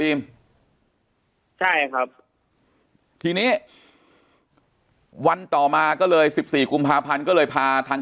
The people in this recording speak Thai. ใช่ครับทีนี้วันต่อมาก็เลยสิบสี่กุมภาพันธ์ก็เลยพาทาง